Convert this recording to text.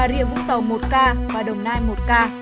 nghĩa vũng tàu một ca và đồng nai một ca